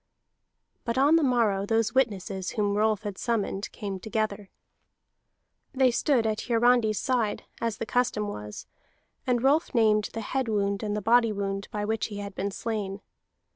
But on the morrow those witnesses whom Rolf had summoned came together. They stood at Hiarandi's side, as the custom was, and Rolf named the head wound and the body wound by which he had been slain.